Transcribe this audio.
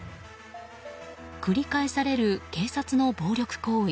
繰り返される警察の暴力行為。